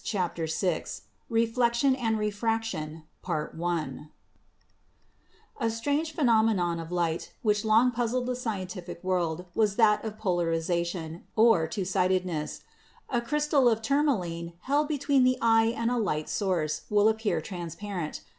CHAPTER VI REFLECTION AND REFRACTION A strange phenomenon of light which long puzzled the scientific world was that of polarization, or two sided ness. A crystal of tourmaline held between the eye and a light source will appear transparent.